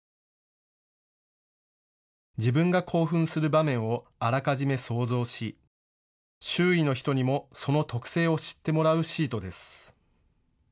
自分が興奮する場面をあらかじめ想像し、周囲の人にもその特性を知ってもらうシートです。